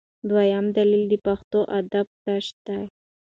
دویم دلیل د پښتو ادبیاتو تشه ده.